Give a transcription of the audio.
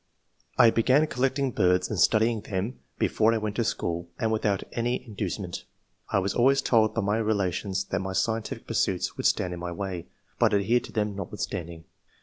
I began collecting birds and studying them be fore I went to school, and without any induce ment. I was always told by my relations that my scientific pursuits would stand in my way, but adhered to them notwithstanding.